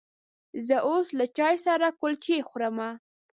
زه اوس له چای سره کلچې خورمه.